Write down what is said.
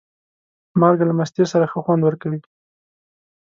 مالګه له مستې سره ښه خوند ورکوي.